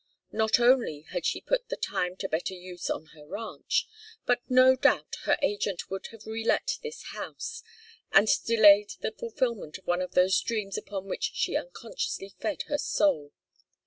Not only had she put the time to better use on her ranch, but no doubt her agent would have relet this house, and delayed the fulfilment of one of those dreams upon which she unconsciously fed her soul.